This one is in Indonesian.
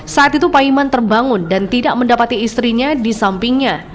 saat itu paiman terbangun dan tidak mendapati istrinya di sampingnya